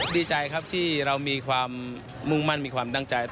ดีใจครับที่เรามีความมุ่งมั่นมีความตั้งใจ